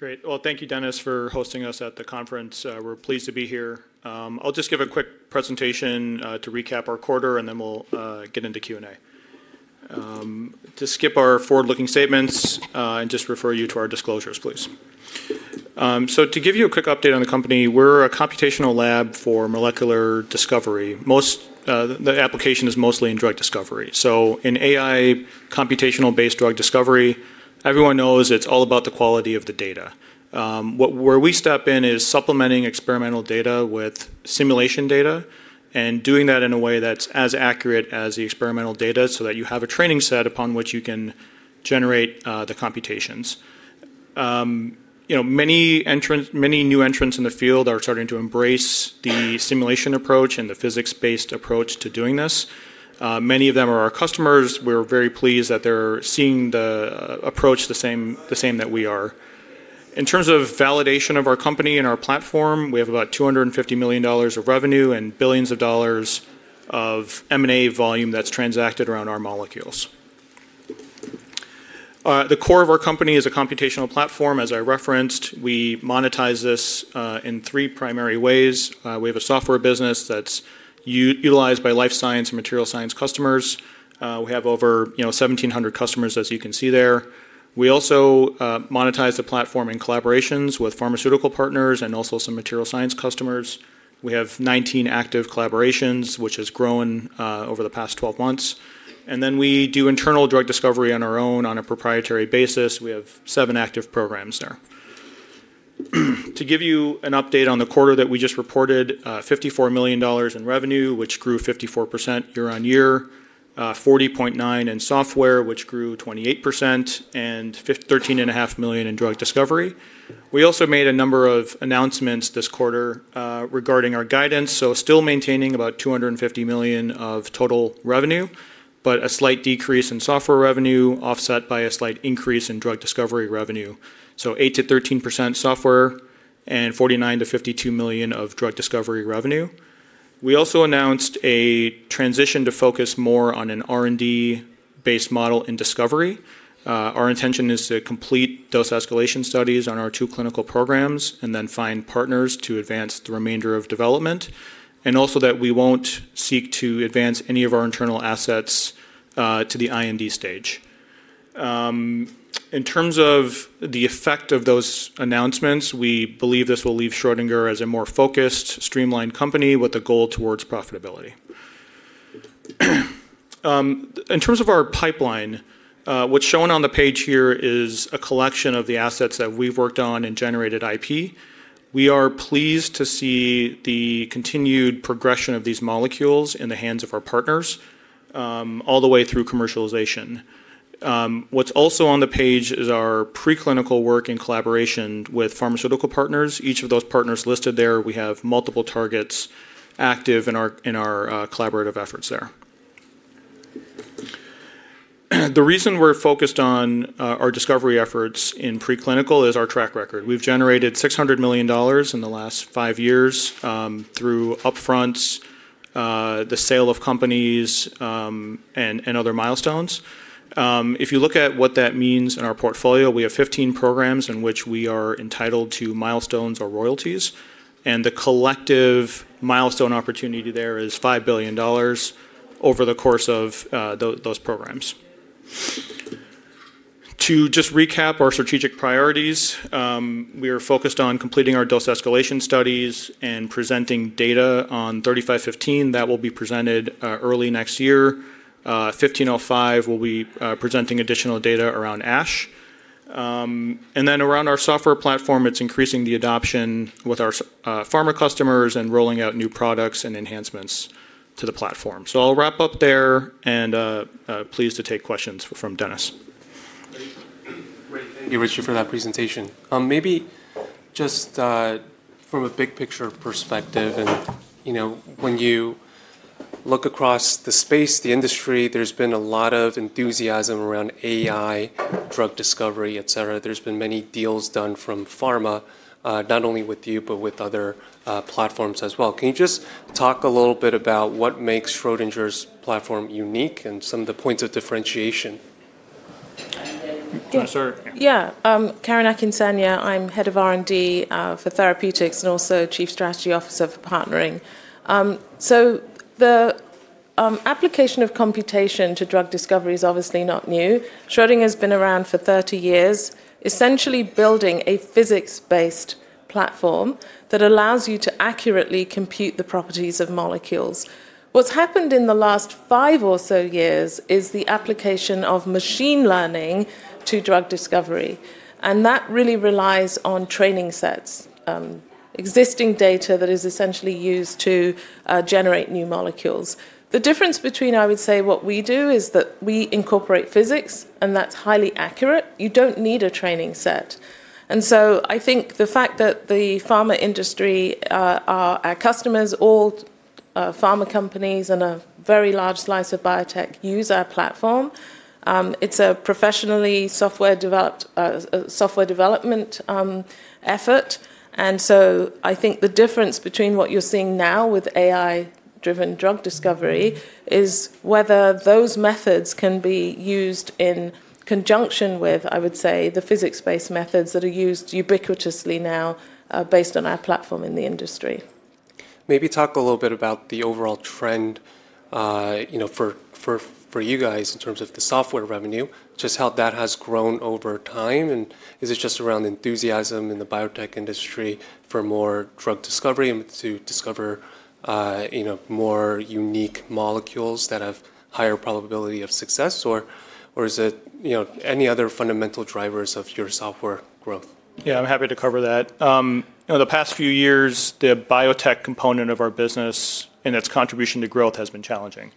Great. Thank you, Dennis, for hosting us at the conference. We're pleased to be here. I'll just give a quick presentation to recap our quarter, and then we'll get into Q&A. To skip our forward-looking statements and just refer you to our disclosures, please. To give you a quick update on the company, we're a computational lab for molecular discovery. The application is mostly in drug discovery. In AI computational-based drug discovery, everyone knows it's all about the quality of the data. Where we step in is supplementing experimental data with simulation data and doing that in a way that's as accurate as the experimental data so that you have a training set upon which you can generate the computations. Many new entrants in the field are starting to embrace the simulation approach and the physics-based approach to doing this. Many of them are our customers. We're very pleased that they're seeing the approach the same that we are. In terms of validation of our company and our platform, we have about $250 million of revenue and billions of dollars of M&A volume that's transacted around our molecules. The core of our company is a computational platform, as I referenced. We monetize this in three primary ways. We have a software business that's utilized by life science and material science customers. We have over 1,700 customers, as you can see there. We also monetize the platform in collaborations with pharmaceutical partners and also some material science customers. We have 19 active collaborations, which has grown over the past 12 months. We do internal drug discovery on our own on a proprietary basis. We have seven active programs there. To give you an update on the quarter that we just reported, $54 million in revenue, which grew 54% year on year, $40.9 million in software, which grew 28%, and $13.5 million in drug discovery. We also made a number of announcements this quarter regarding our guidance, still maintaining about $250 million of total revenue, but a slight decrease in software revenue offset by a slight increase in drug discovery revenue. 8%-13% software and $49-$52 million of drug discovery revenue. We also announced a transition to focus more on an R&D-based model in discovery. Our intention is to complete dose escalation studies on our two clinical programs and then find partners to advance the remainder of development, and also that we will not seek to advance any of our internal assets to the IND stage. In terms of the effect of those announcements, we believe this will leave Schrödinger as a more focused, streamlined company with a goal towards profitability. In terms of our pipeline, what's shown on the page here is a collection of the assets that we've worked on and generated IP. We are pleased to see the continued progression of these molecules in the hands of our partners all the way through commercialization. What's also on the page is our preclinical work in collaboration with pharmaceutical partners. Each of those partners listed there, we have multiple targets active in our collaborative efforts there. The reason we're focused on our discovery efforts in preclinical is our track record. We've generated $600 million in the last five years through upfronts, the sale of companies, and other milestones. If you look at what that means in our portfolio, we have 15 programs in which we are entitled to milestones or royalties, and the collective milestone opportunity there is $5 billion over the course of those programs. To just recap our strategic priorities, we are focused on completing our dose escalation studies and presenting data on 3515. That will be presented early next year. 1505 will be presenting additional data around ASH. Around our software platform, it's increasing the adoption with our pharma customers and rolling out new products and enhancements to the platform. I'll wrap up there and pleased to take questions from Dennis. Great. Thank you, Richard, for that presentation. Maybe just from a big-picture perspective, when you look across the space, the industry, there's been a lot of enthusiasm around AI, drug discovery, et cetera. There's been many deals done from pharma, not only with you, but with other platforms as well. Can you just talk a little bit about what makes Schrödinger's platform unique and some of the points of differentiation? Yeah. Yeah. Karen Akinsanya, I'm Head of R&D for Therapeutics and also Chief Strategy Officer for Partnering. The application of computation to drug discovery is obviously not new. Schrödinger has been around for 30 years, essentially building a physics-based platform that allows you to accurately compute the properties of molecules. What's happened in the last five or so years is the application of machine learning to drug discovery, and that really relies on training sets, existing data that is essentially used to generate new molecules. The difference between, I would say, what we do is that we incorporate physics, and that's highly accurate. You don't need a training set. I think the fact that the pharma industry, our customers, all pharma companies and a very large slice of biotech use our platform, it's a professionally software-developed software development effort. I think the difference between what you're seeing now with AI-driven drug discovery is whether those methods can be used in conjunction with, I would say, the physics-based methods that are used ubiquitously now based on our platform in the industry. Maybe talk a little bit about the overall trend for you guys in terms of the software revenue, just how that has grown over time. Is it just around enthusiasm in the biotech industry for more drug discovery to discover more unique molecules that have higher probability of success, or is it any other fundamental drivers of your software growth? Yeah, I'm happy to cover that. Over the past few years, the biotech component of our business and its contribution to growth has been challenging.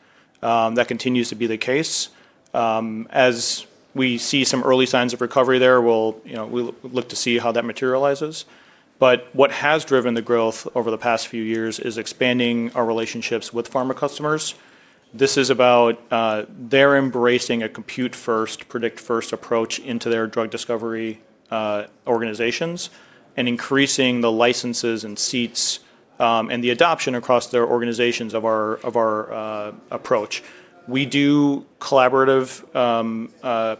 That continues to be the case. As we see some early signs of recovery there, we'll look to see how that materializes. What has driven the growth over the past few years is expanding our relationships with pharma customers. This is about their embracing a compute-first, predict-first approach into their drug discovery organizations and increasing the licenses and seats and the adoption across their organizations of our approach. We do collaborative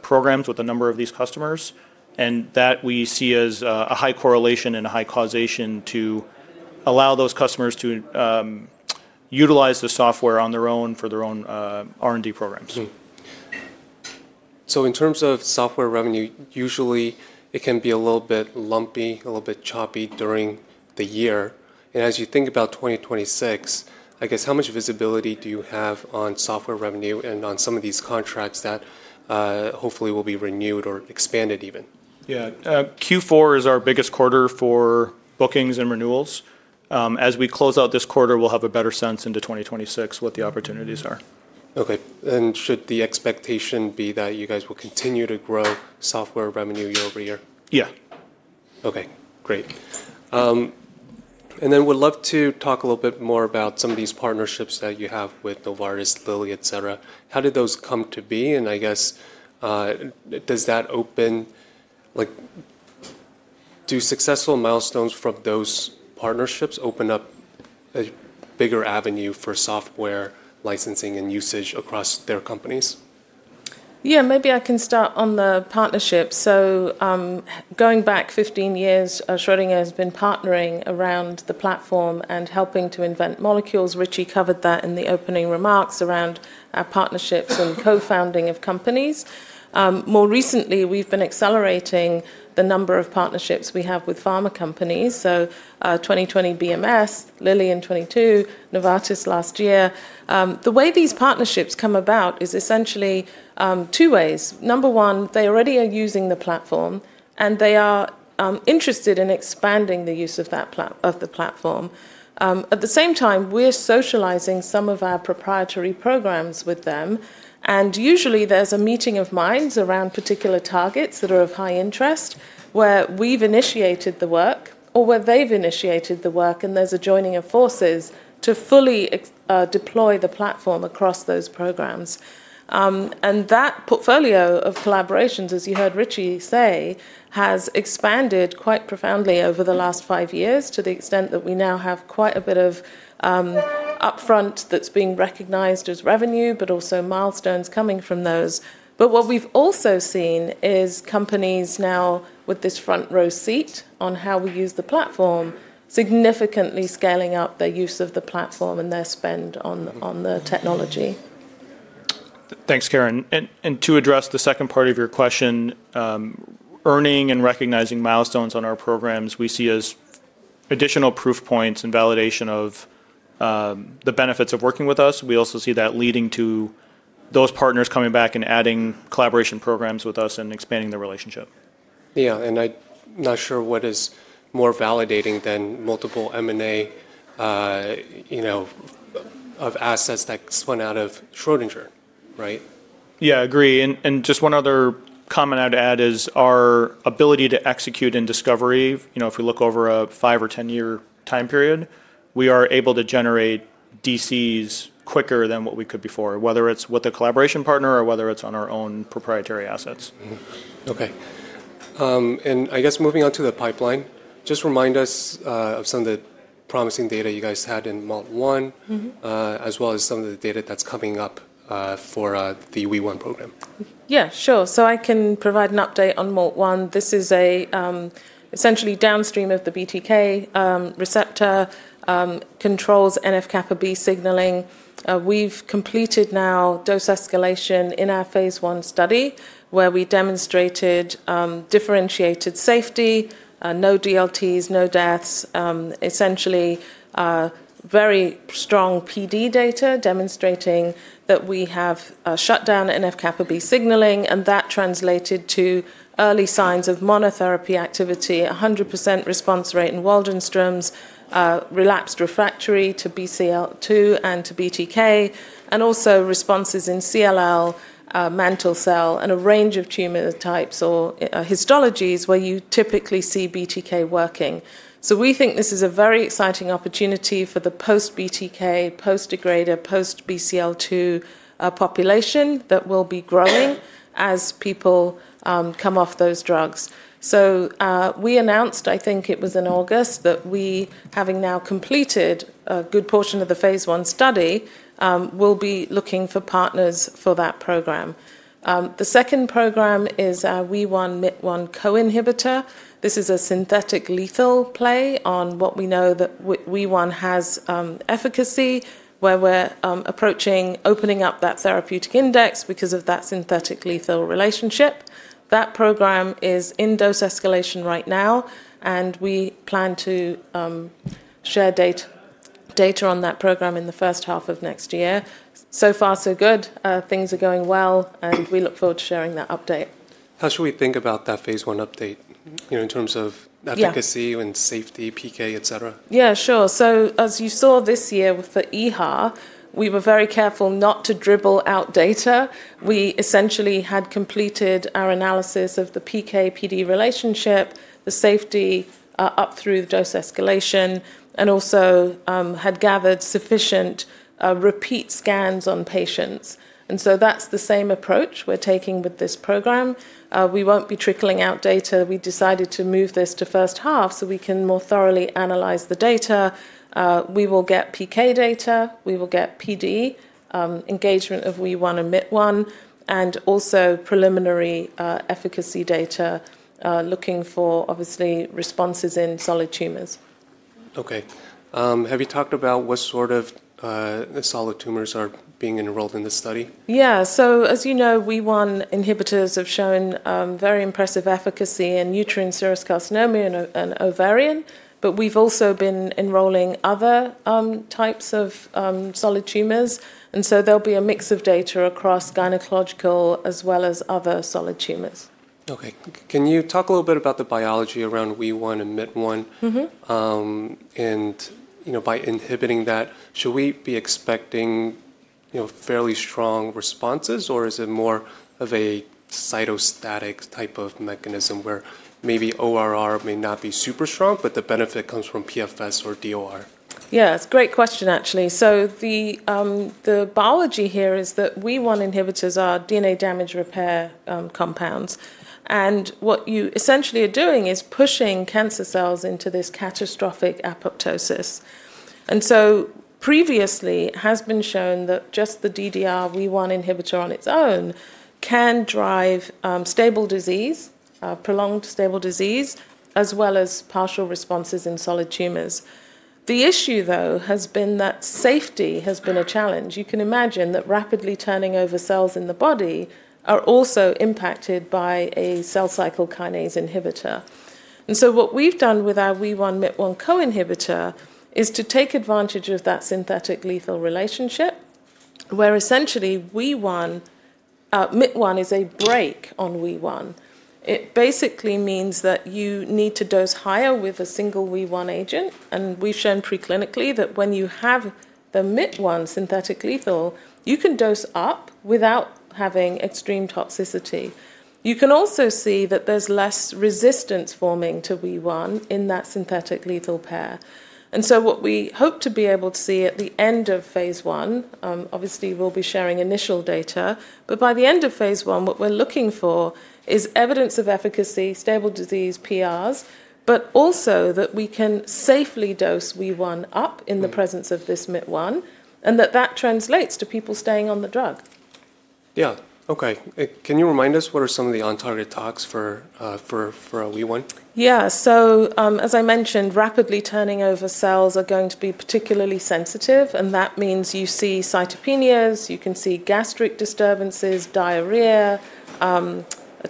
programs with a number of these customers, and that we see as a high correlation and a high causation to allow those customers to utilize the software on their own for their own R&D programs. In terms of software revenue, usually it can be a little bit lumpy, a little bit choppy during the year. As you think about 2026, I guess how much visibility do you have on software revenue and on some of these contracts that hopefully will be renewed or expanded even? Yeah. Q4 is our biggest quarter for bookings and renewals. As we close out this quarter, we'll have a better sense into 2026 what the opportunities are. Okay. Should the expectation be that you guys will continue to grow software revenue year over year? Yeah. Okay. Great. We'd love to talk a little bit more about some of these partnerships that you have with Novartis, Lilly, et cetera. How did those come to be? I guess, does that open, do successful milestones from those partnerships open up a bigger avenue for software licensing and usage across their companies? Yeah, maybe I can start on the partnership. Going back 15 years, Schrödinger has been partnering around the platform and helping to invent molecules. Richie covered that in the opening remarks around our partnerships and co-founding of companies. More recently, we've been accelerating the number of partnerships we have with pharma companies. 2020 BMS, Lilly in 2022, Novartis last year. The way these partnerships come about is essentially two ways. Number one, they already are using the platform, and they are interested in expanding the use of the platform. At the same time, we're socializing some of our proprietary programs with them. Usually, there's a meeting of minds around particular targets that are of high interest where we've initiated the work or where they've initiated the work, and there's a joining of forces to fully deploy the platform across those programs. That portfolio of collaborations, as you heard Richie say, has expanded quite profoundly over the last five years to the extent that we now have quite a bit of upfront that's being recognized as revenue, but also milestones coming from those. What we've also seen is companies now, with this front-row seat on how we use the platform, significantly scaling up their use of the platform and their spend on the technology. Thanks, Karen. To address the second part of your question, earning and recognizing milestones on our programs, we see as additional proof points and validation of the benefits of working with us. We also see that leading to those partners coming back and adding collaboration programs with us and expanding the relationship. Yeah. I'm not sure what is more validating than multiple M&A of assets that spun out of Schrödinger, right? Yeah, agree. Just one other comment I'd add is our ability to execute in discovery, if we look over a five or ten-year time period, we are able to generate DCs quicker than what we could before, whether it's with a collaboration partner or whether it's on our own proprietary assets. Okay. I guess moving on to the pipeline, just remind us of some of the promising data you guys had in MALT1, as well as some of the data that's coming up for the Wee1 program. Yeah, sure. I can provide an update on MALT1. This is essentially downstream of the BTK receptor, controls NF-κB signaling. We've completed now dose escalation in our phase one study where we demonstrated differentiated safety, no DLTs, no deaths, essentially very strong PD data demonstrating that we have shut down NF-κB signaling, and that translated to early signs of monotherapy activity, 100% response rate in Waldenstrom's, relapsed refractory to BCL2 and to BTK, and also responses in CLL, mantle cell, and a range of tumor types or histologies where you typically see BTK working. We think this is a very exciting opportunity for the post-BTK, post-degrader, post-BCL2 population that will be growing as people come off those drugs. We announced, I think it was in August, that we, having now completed a good portion of the phase one study, will be looking for partners for that program. The second program is our Wee1/Myt1 co-inhibitor. This is a synthetic lethal play on what we know that Wee1 has efficacy, where we're approaching opening up that therapeutic index because of that synthetic lethal relationship. That program is in dose escalation right now, and we plan to share data on that program in the first half of next year. So far, so good. Things are going well, and we look forward to sharing that update. How should we think about that phase one update in terms of efficacy and safety, PK, et cetera? Yeah, sure. As you saw this year with the EHA, we were very careful not to dribble out data. We essentially had completed our analysis of the PK-PD relationship, the safety up through the dose escalation, and also had gathered sufficient repeat scans on patients. That is the same approach we are taking with this program. We will not be trickling out data. We decided to move this to first half so we can more thoroughly analyze the data. We will get PK data. We will get PD engagement of Wee1 and Myt1, and also preliminary efficacy data looking for, obviously, responses in solid tumors. Okay. Have you talked about what sort of solid tumors are being enrolled in the study? Yeah. So, as you know, Wee1 inhibitors have shown very impressive efficacy in uterine serous carcinoma and ovarian, but we've also been enrolling other types of solid tumors. There will be a mix of data across gynecological as well as other solid tumors. Okay. Can you talk a little bit about the biology around Wee1 and Myt1? And by inhibiting that, should we be expecting fairly strong responses, or is it more of a cytostatic type of mechanism where maybe ORR may not be super strong, but the benefit comes from PFS or DOR? Yeah, that's a great question, actually. The biology here is that Wee1 inhibitors are DNA damage repair compounds. What you essentially are doing is pushing cancer cells into this catastrophic apoptosis. Previously, it has been shown that just the DNA damage repair Wee1 inhibitor on its own can drive stable disease, prolonged stable disease, as well as partial responses in solid tumors. The issue, though, has been that safety has been a challenge. You can imagine that rapidly turning over cells in the body are also impacted by a cell cycle kinase inhibitor. What we've done with our Wee1/Myt1 co-inhibitor is to take advantage of that synthetic lethal relationship, where essentially Myt1 is a brake on Wee1. It basically means that you need to dose higher with a single Wee1 agent. We have shown preclinically that when you have the Myt1 synthetic lethal, you can dose up without having extreme toxicity. You can also see that there is less resistance forming to Wee1 in that synthetic lethal pair. What we hope to be able to see at the end of phase one, obviously, we will be sharing initial data, but by the end of phase one, what we are looking for is evidence of efficacy, stable disease, PRs, but also that we can safely dose Wee1 up in the presence of this Myt1 and that that translates to people staying on the drug. Yeah. Okay. Can you remind us what are some of the on-target talks for a Wee1? Yeah. As I mentioned, rapidly turning over cells are going to be particularly sensitive, and that means you see cytopenias, you can see gastric disturbances, diarrhea,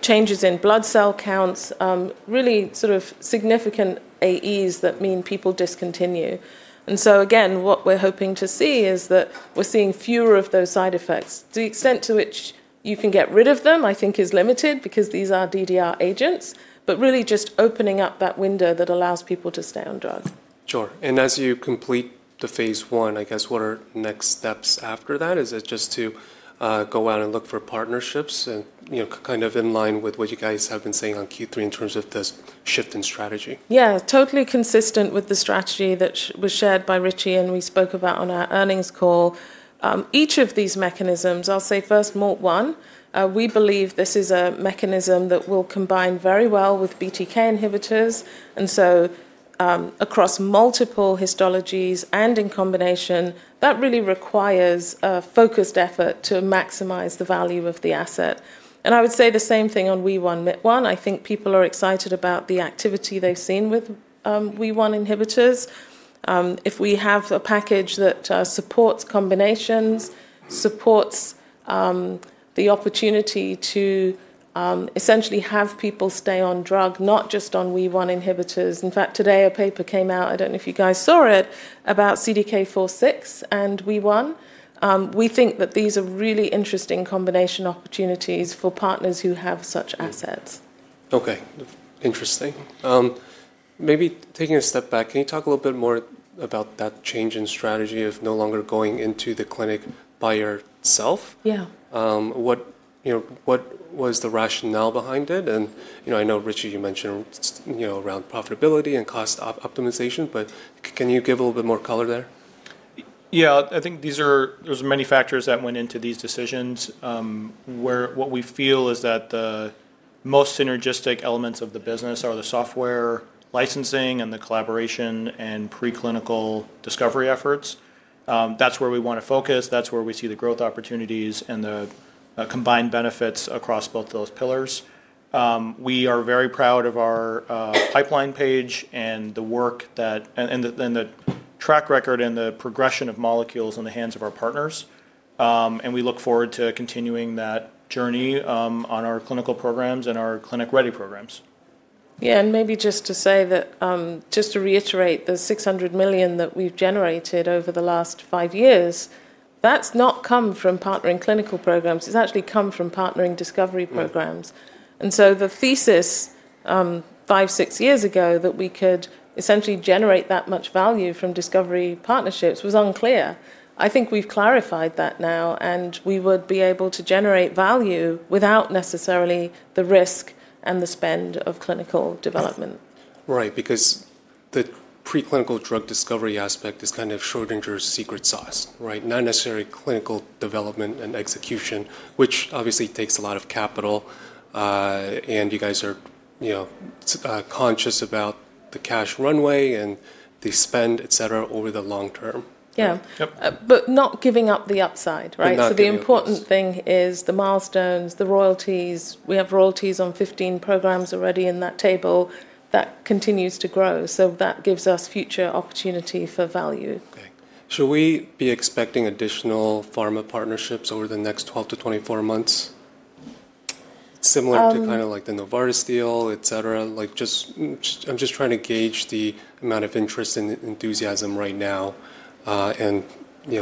changes in blood cell counts, really sort of significant AEs that mean people discontinue. What we're hoping to see is that we're seeing fewer of those side effects. The extent to which you can get rid of them, I think, is limited because these are DDR agents, but really just opening up that window that allows people to stay on drug. Sure. As you complete the phase one, I guess, what are next steps after that? Is it just to go out and look for partnerships and kind of in line with what you guys have been saying on Q3 in terms of this shift in strategy? Yeah, totally consistent with the strategy that was shared by Richie and we spoke about on our earnings call. Each of these mechanisms, I'll say first MALT1, we believe this is a mechanism that will combine very well with BTK inhibitors. Across multiple histologies and in combination, that really requires a focused effort to maximize the value of the asset. I would say the same thing on Wee1/Myt1. I think people are excited about the activity they've seen with Wee1 inhibitors. If we have a package that supports combinations, supports the opportunity to essentially have people stay on drug, not just on Wee1 inhibitors. In fact, today a paper came out, I don't know if you guys saw it, about CDK4/6 and Wee1. We think that these are really interesting combination opportunities for partners who have such assets. Okay. Interesting. Maybe taking a step back, can you talk a little bit more about that change in strategy of no longer going into the clinic by yourself? Yeah. What was the rationale behind it? I know Richie, you mentioned around profitability and cost optimization, but can you give a little bit more color there? Yeah. I think there's many factors that went into these decisions. What we feel is that the most synergistic elements of the business are the software licensing and the collaboration and preclinical discovery efforts. That's where we want to focus. That's where we see the growth opportunities and the combined benefits across both those pillars. We are very proud of our pipeline page and the work and the track record and the progression of molecules on the hands of our partners. We look forward to continuing that journey on our clinical programs and our clinic-ready programs. Yeah. Maybe just to say that, just to reiterate the $600 million that we've generated over the last five years, that's not come from partnering clinical programs. It's actually come from partnering discovery programs. The thesis five, six years ago that we could essentially generate that much value from discovery partnerships was unclear. I think we've clarified that now, and we would be able to generate value without necessarily the risk and the spend of clinical development. Right, because the preclinical drug discovery aspect is kind of Schrödinger's secret sauce, right? Not necessarily clinical development and execution, which obviously takes a lot of capital. You guys are conscious about the cash runway and the spend, et cetera, over the long term. Yeah. Not giving up the upside, right? The important thing is the milestones, the royalties. We have royalties on 15 programs already in that table that continues to grow. That gives us future opportunity for value. Okay. Should we be expecting additional pharma partnerships over the next 12 to 24 months? Similar to kind of like the Novartis deal, et cetera. I'm just trying to gauge the amount of interest and enthusiasm right now and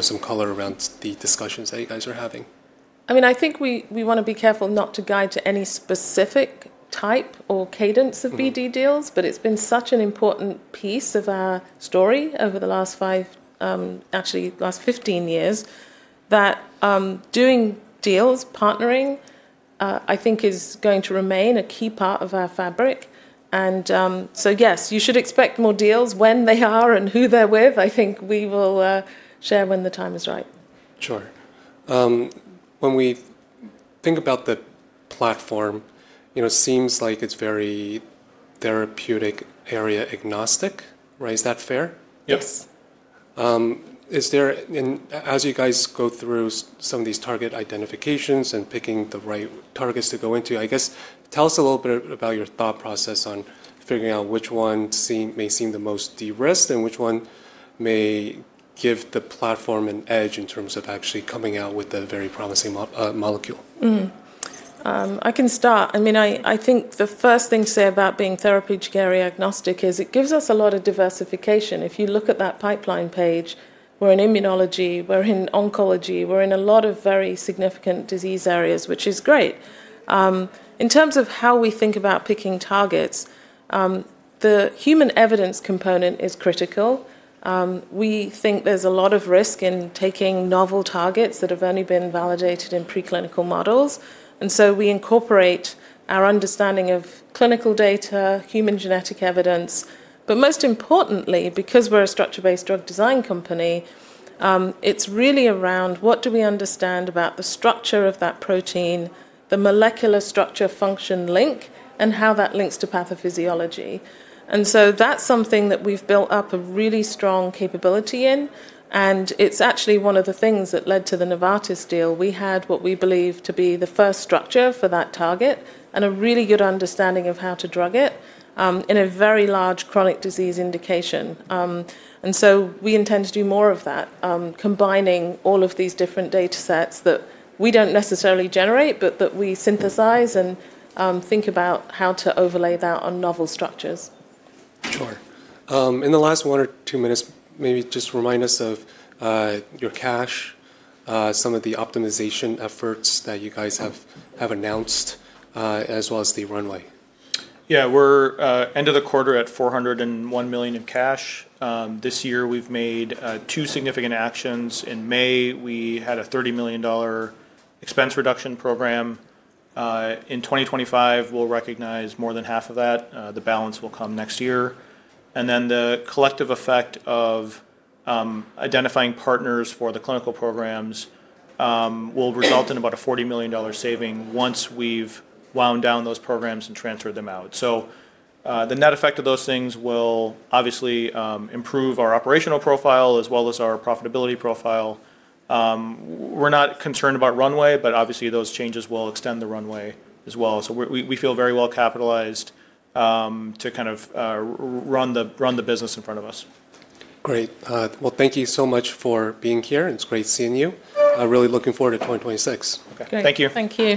some color around the discussions that you guys are having. I mean, I think we want to be careful not to guide to any specific type or cadence of BD deals, but it's been such an important piece of our story over the last five, actually last 15 years that doing deals, partnering, I think is going to remain a key part of our fabric. Yes, you should expect more deals when they are and who they're with. I think we will share when the time is right. Sure. When we think about the platform, it seems like it's very therapeutic area agnostic, right? Is that fair? Yes. Is there, as you guys go through some of these target identifications and picking the right targets to go into, I guess, tell us a little bit about your thought process on figuring out which one may seem the most de-risked and which one may give the platform an edge in terms of actually coming out with a very promising molecule. I can start. I mean, I think the first thing to say about being therapeutic area agnostic is it gives us a lot of diversification. If you look at that pipeline page, we're in immunology, we're in oncology, we're in a lot of very significant disease areas, which is great. In terms of how we think about picking targets, the human evidence component is critical. We think there's a lot of risk in taking novel targets that have only been validated in preclinical models. We incorporate our understanding of clinical data, human genetic evidence. Most importantly, because we're a structure-based drug design company, it's really around what do we understand about the structure of that protein, the molecular structure function link, and how that links to pathophysiology. That's something that we've built up a really strong capability in. It is actually one of the things that led to the Novartis deal. We had what we believe to be the first structure for that target and a really good understanding of how to drug it in a very large chronic disease indication. We intend to do more of that, combining all of these different data sets that we do not necessarily generate, but that we synthesize and think about how to overlay that on novel structures. Sure. In the last one or two minutes, maybe just remind us of your cash, some of the optimization efforts that you guys have announced, as well as the runway. Yeah. We're end of the quarter at $401 million in cash. This year, we've made two significant actions. In May, we had a $30 million expense reduction program. In 2025, we'll recognize more than half of that. The balance will come next year. The collective effect of identifying partners for the clinical programs will result in about a $40 million saving once we've wound down those programs and transferred them out. The net effect of those things will obviously improve our operational profile as well as our profitability profile. We're not concerned about runway, but obviously, those changes will extend the runway as well. We feel very well capitalized to kind of run the business in front of us. Great. Thank you so much for being here. It's great seeing you. Really looking forward to 2026. Thank you. Thank you.